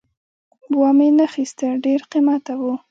وامې نه خیسته ډېر قیمته وو